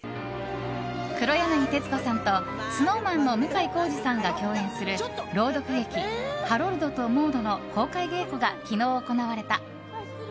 黒柳徹子さんとＳｎｏｗＭａｎの向井康二さんが共演する朗読劇「ハロルドとモード」の公開稽古が昨日行われた。